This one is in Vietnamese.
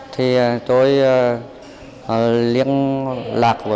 thì tôi liên lạc với